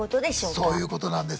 そういうことなんです。